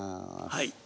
はい。